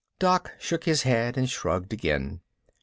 Doc shook his head and shrugged again.